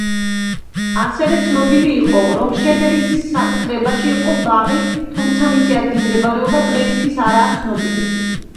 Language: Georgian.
ასევე ცნობილი იყო, რომ შედევის საკუთრებაში იყო ბაღი, თუმცა მისი ადგილმდებარეობა დღეისათვის არაა ცნობილი.